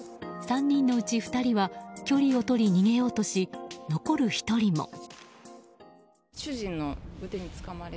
３人のうち２人は距離をとり逃げようとし残る１人も。